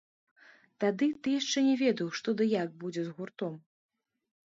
Тады ты яшчэ не ведаў, што ды як будзе з гуртом.